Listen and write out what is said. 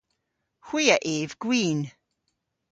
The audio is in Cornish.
Hwi a yv gwin.